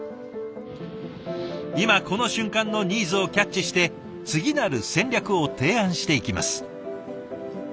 今この瞬間のニーズをキャッチして次なる戦略を提案していきます。